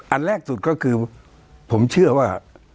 อันแรกสุดก็คือผมเชื่อว่า